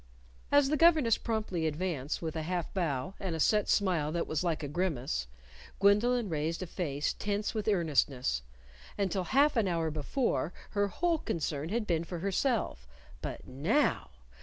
As the governess promptly advanced, with a half bow, and a set smile that was like a grimace, Gwendolyn raised a face tense with earnestness. Until half an hour before, her whole concern had been for herself. But now!